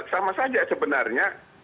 sama saja sebenarnya